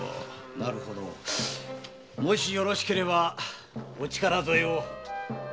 なるほどもしよろしければお力添えを。